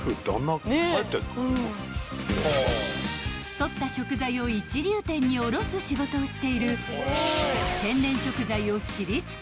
［獲った食材を一流店に卸す仕事をしている］